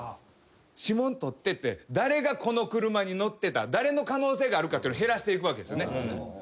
指紋採ってって誰がこの車に乗ってた誰の可能性があるかっていうのを減らしていくわけですよね。